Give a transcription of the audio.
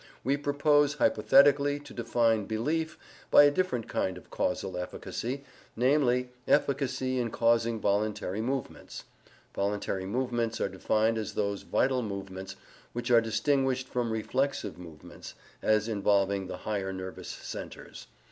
We propose hypothetically to define "belief" by a different kind of causal efficacy, namely efficacy in causing voluntary movements. (Voluntary movements are defined as those vital movements which are distinguished from reflex movements as involving the higher nervous centres.